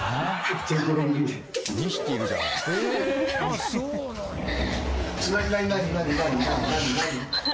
２匹いるじゃん。